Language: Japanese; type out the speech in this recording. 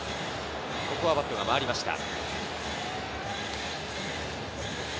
ここはバットが回りました。